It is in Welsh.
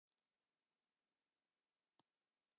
Rwy'n byw ar Ffordd y Coleg.